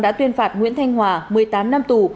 đã tuyên phạt nguyễn thanh hòa một mươi tám năm tù